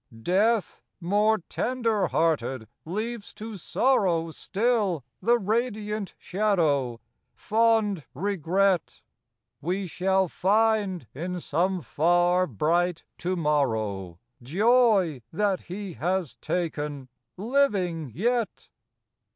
Death, more tender hearted, leaves to sorrow Still the radiant shadow, fond regret: We shall find, in some far, bright to morrow, Joy that he has taken, living yet.